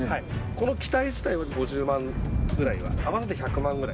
この機体自体は５０万ぐらいは、合わせて１００万ぐらい。